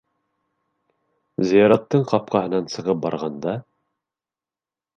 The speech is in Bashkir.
Зыяраттың ҡапҡаһынан сығып барғанда: